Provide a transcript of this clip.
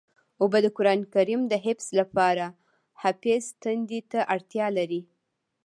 اوبه د قرآن کریم د حفظ لپاره حافظ تندې ته اړتیا لري.